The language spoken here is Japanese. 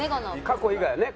過去以外はね。